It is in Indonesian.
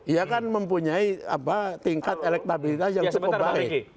ia kan mempunyai tingkat elektabilitas yang cukup baik